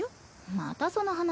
またその話？